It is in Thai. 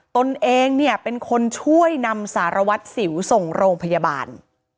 ตนเองเนี่ยเป็นคนช่วยนำสารวัตรสิวส่งโรงพยาบาล